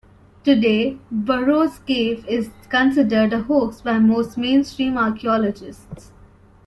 Today, Burrows Cave is considered a hoax by most mainstream archeologists.